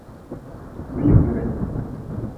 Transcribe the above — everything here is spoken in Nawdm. Gbligire.